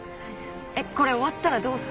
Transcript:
これ終わったらどうする？